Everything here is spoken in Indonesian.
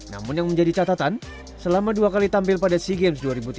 namun yang menjadi catatan selama dua kali tampil pada sea games dua ribu tiga belas